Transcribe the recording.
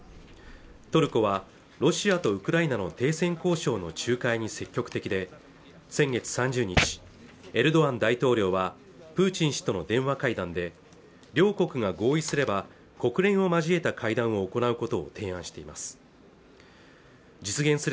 トルコはロシアとウクライナの停戦交渉の仲介に積極的で先月３０日エルドアン大統領はプーチン氏との電話会談で両国が合意すれば国連を交えた会談を行うことを提案しています